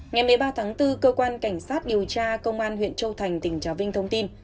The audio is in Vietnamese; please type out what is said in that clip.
ngày một mươi ba tháng bốn cơ quan cảnh sát điều tra công an huyện châu thành tỉnh trà vinh thông tin